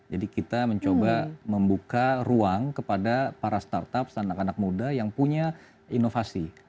jadi kita mencoba membuka ruang kepada para start up anak anak muda yang punya inovasi